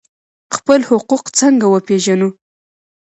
خپل حقوق څنګه وپیژنو؟